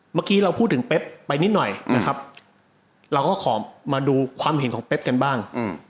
เมื่อกี้เราพูดถึงเป๊บไปนิดหน่อยนะครับเราก็ขอมาดูความเห็นของเป๊บกันบ้าง